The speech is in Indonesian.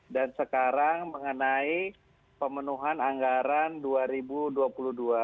dan sekarang mengenai pemenuhan anggaran rp dua